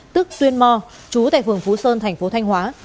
tức tuyên mò trú tại phường phú sơn thành phố thanh hóa